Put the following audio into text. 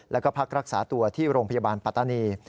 แล้วก็พักรักษาตัวที่โรงพยาบาลปัตตานี